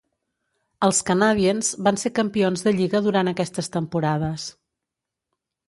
Els Canadiens van ser campions de lliga durant aquestes temporades.